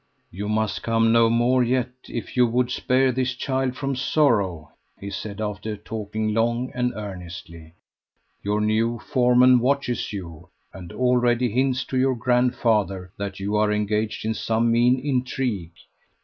"You must come no more yet, if you would spare this child from sorrow," he said, after talking long and earnestly. "Your new foreman watches you, and already hints to your grandfather that you are engaged in some mean intrigue.